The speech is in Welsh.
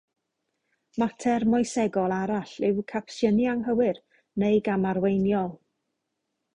Mater moesegol arall yw capsiynu anghywir neu gamarweiniol.